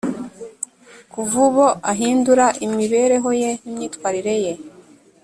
kuva ubo ahindura imibereho ye n’imyitwarire ye